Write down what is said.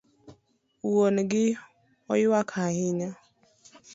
Wuon gi oywak ahinya